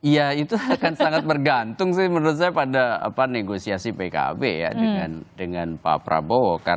ya itu akan sangat bergantung sih menurut saya pada negosiasi pkb ya dengan pak prabowo